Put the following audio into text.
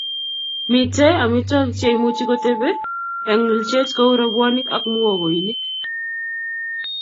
Mitei amitwogik cheimuchi kotebi eng ilchet kou robwonik ak muhogoinik